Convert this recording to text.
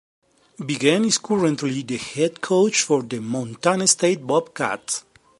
Vigen is currently the head coach for the Montana State Bobcats.